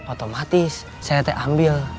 otomatis saya teh ambil